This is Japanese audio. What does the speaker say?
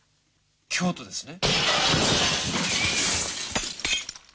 京都ですね？